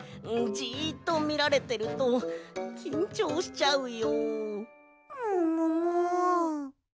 じっとみられてるときんちょうしちゃって。